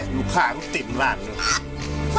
ลูกค้าก็ติดร้านนึง